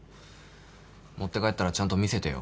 持って帰ったらちゃんと見せてよ。